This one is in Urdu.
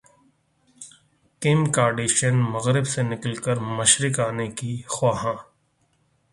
کم کارڈیشین مغرب سے نکل کر مشرق انے کی خواہاں